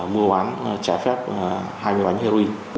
mua bán trả phép hai mươi bánh heroin